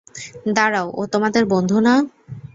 দাঁড়াও, ও তোমাদের বন্ধু না?